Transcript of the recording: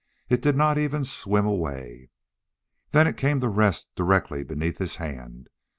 It did not even swim away. Then it came to rest directly beneath his hand.